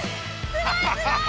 すごいすごい！